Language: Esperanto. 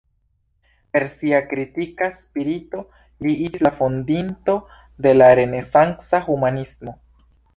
Per sia kritika spirito, li iĝis la fondinto de la renesanca humanismo.